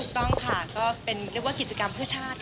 ต้องค่ะก็เป็นเรียกว่ากิจกรรมเพื่อชาติ